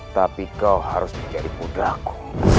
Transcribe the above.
tapi kau harus menjadi buddha aku